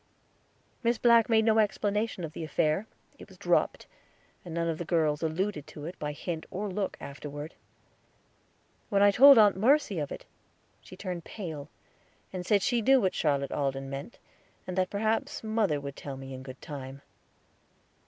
Miss Black asked no explanation of the affair; it was dropped, and none of the girls alluded to it by hint or look afterward. When I told Aunt Mercy of it, she turned pale, and said she knew what Charlotte Alden meant, and that perhaps mother would tell me in good time.